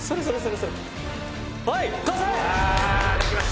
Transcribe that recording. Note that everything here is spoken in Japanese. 「はい完成！」